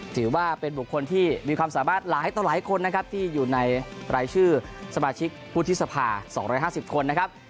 ถือว่าเป็นบุคคลที่มีความสามารถหลายต่อหลายคนนะครับที่อยู่ในรายชื่อสมาชิกวุฒิสภา๒๕๐คนนะครับ